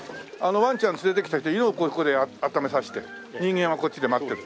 ワンちゃん連れてきた人犬をここで温めさせて人間はこっちで待ってると。